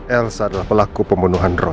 els adalah pelaku pembunuhan roy